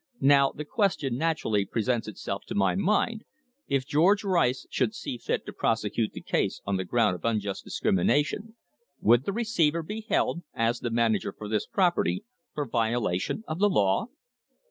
"Now, the question naturally presents itself to my mind, if George Rice should see fit to prosecute the case on the ground of unjust discrimination, would the receiver be held, as the manager of this property, for violation of the law